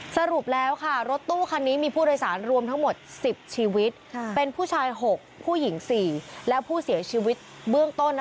สรุปแล้วค่ะรถตู้คันนี้มีผู้โดยสารรวมทั้งหมด๑๐ชีวิตเป็นผู้ชาย๖ผู้หญิง๔และผู้เสียชีวิตเบื้องต้น